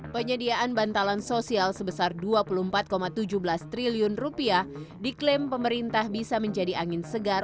penyediaan bantalan sosial sebesar rp dua puluh empat tujuh belas triliun diklaim pemerintah bisa menjadi angin segar